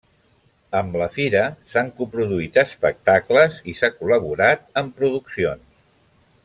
Amb la Fira s’han coproduït espectacles i s’ha col·laborat en produccions.